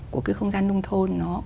của cái không gian nông thôn nó